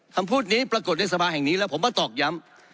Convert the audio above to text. คำพูดนี้ปรากฏในสภาแห่งนี้แล้วผมก็ตอกย้ำ